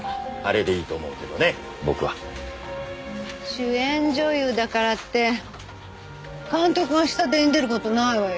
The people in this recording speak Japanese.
主演女優だからって監督が下手に出る事ないわよ。